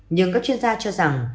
nhưng các chuyên gia cho rằng